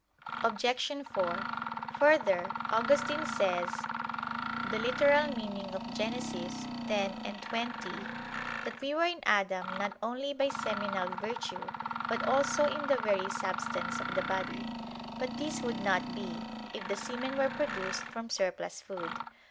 Obj. 4: Further, Augustine says (Gen. ad lit. x, 20) that we were in Adam "not only by seminal virtue, but also in the very substance of the body." But this would not be, if the semen were produced from surplus food.